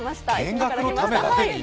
見学のためだけに？